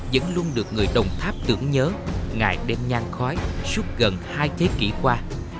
vẫn luôn được người đồng tháp tưởng nhớ ngày đêm nhang khói suốt gần hai thế kỷ qua